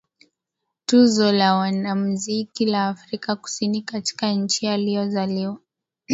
Tuzo la Wanamziki la Afrika Kusini katika nchi aliyozaliwa